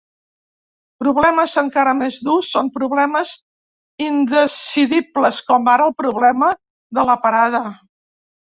Problemes encara més durs són problemes indecidibles, com ara el problema de la parada.